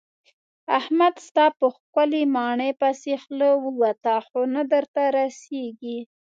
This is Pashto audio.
احمد ستا په ښکلې ماڼۍ پسې خوله ووته خو نه درته رسېږي.